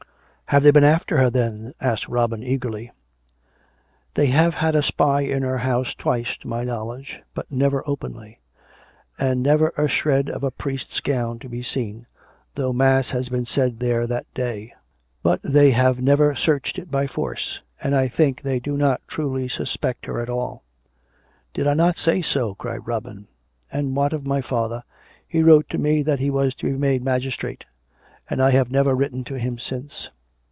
" Have they been after her, then ?" asked Robin eagerly. " They have had a spy in her house twice to my knowl edge, but never openly; and never a shred of a priest's gown to be seen, though mass had been said there that day. But they have never searched it by force. And I think they do not truly suspect her at all." " Did I not say so ?" cried Robin. " And what of my father? He wrote to me that he was to be made magis trate; and I have never written to him since."